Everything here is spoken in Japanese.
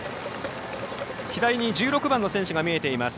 左に１６番の選手が見えています。